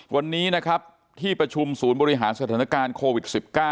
วันนี้นะครับที่ประชุมศูนย์บริหารสถานการณ์โควิด๑๙